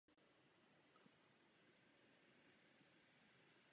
Během genocidy však masové vraždy pokračují i když se daná skupina snaží uprchnout.